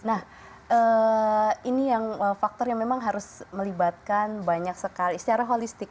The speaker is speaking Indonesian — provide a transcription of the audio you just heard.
nah ini yang faktor yang memang harus melibatkan banyak sekali secara holistik